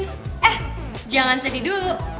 eh jangan sedih dulu